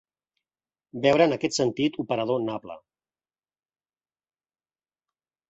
Veure en aquest sentit operador nabla.